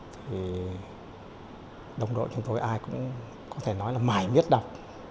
thì đồng đội chúng tôi ai cũng có thể nói là mãi miết đọc